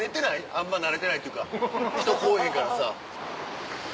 あんま慣れてないっていうか人来ぉへんからさ。